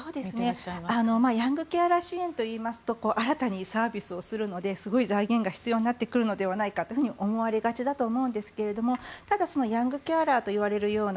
ヤングケアラー支援といいますと新たにサービスをするのですごい財源が必要になってくるのではと思われがちだと思うんですがただ、ヤングケアラーといわれるような